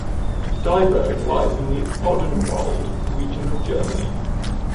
Dieburg lies in the Odenwald region of Germany.